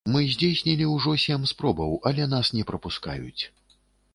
Мы здзейснілі ўжо сем спробаў, але нас не прапускаюць.